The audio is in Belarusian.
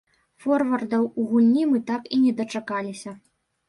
Форвардаў у гульні мы так і не дачакаліся.